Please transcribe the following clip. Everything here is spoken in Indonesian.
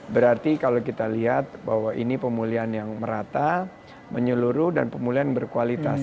berarti kalau kita lihat bahwa ini pemulihan yang merata menyeluruh dan pemulihan berkualitas